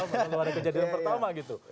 kalau ada kejadian pertama gitu